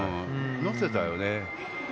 乗せたよね。